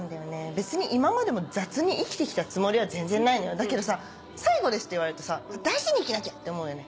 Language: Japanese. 別に今までも雑に生きてきたつもりは全然ないのよだけどさ最後ですって言われるとさ大事に生きなきゃって思うよね。